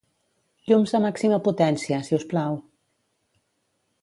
Llums a màxima potència, si us plau.